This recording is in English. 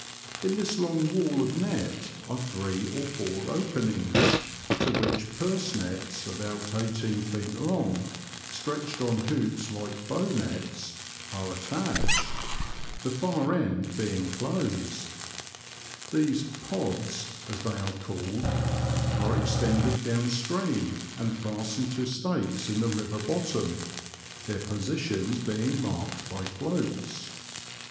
In this long wall of net are three or four openings, to which purse nets about eighteen feet long, stretched on hoops like bow nets, are attached, the far end being closed ; these '*pods," as they are called^ are extended down stream and feustenedto stakes in the nver bottom, their positions being marked by floats.